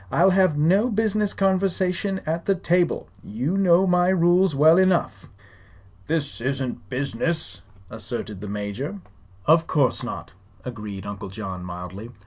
"I'll have no business conversation at the table. You know my rules well enough." "This isn't business," asserted the Major. "Of course not," agreed Uncle John, mildly.